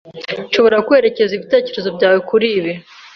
Nshobora kwerekeza ibitekerezo byawe kuri ibi?